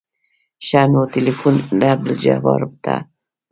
ښه نو ټېلفون عبدالجبار ته ورکه.